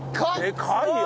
でかいよ！